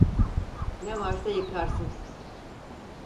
Ne varsa yıkarsın!